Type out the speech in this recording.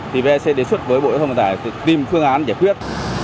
thì vec đề xuất với bộ giao thông vận tải tìm phương án giải quyết